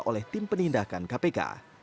oleh tim penindakan kpk